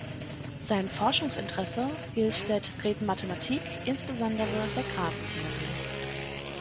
Sein Forschungsinteresse gilt der diskreten Mathematik, insbesondere der Graphentheorie.